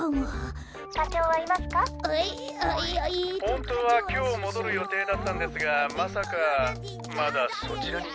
「ほんとうはきょうもどるよていだったんですがまさかまだそちらにいますか？」。